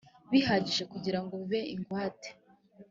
bihagije kugira ngo bibe ingwate